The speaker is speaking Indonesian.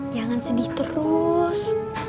jangan sedih terus